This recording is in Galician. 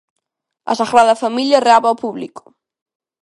A Sagrada Familia reabre ao público.